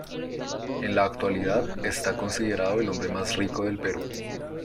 En la actualidad, está considerado el hombre más rico del Perú.